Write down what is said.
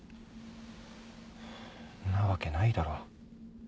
んなわけないだろ。